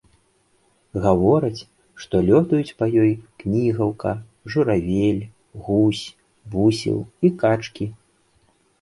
Гавораць, што лётаюць па ёй кнігаўка, журавель, гусь, бусел і качкі.